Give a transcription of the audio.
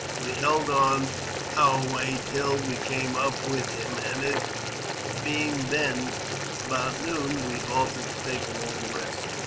We held on our way till we came up with them,, and, it being then about noon, we halted to take a long rest.